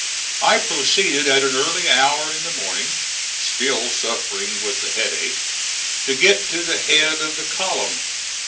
I proceeded at an early hour in the morning, still suffering with the headache, to get to the head of the column.